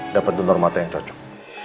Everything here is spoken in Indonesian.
dapet donor mata yang cocok